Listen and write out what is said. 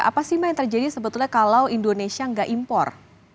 apa sih mbak yang terjadi sebetulnya kalau indonesia nggak impor